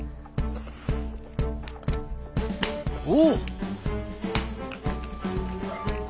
お！